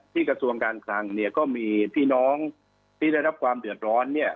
กระทรวงการคลังเนี่ยก็มีพี่น้องที่ได้รับความเดือดร้อนเนี่ย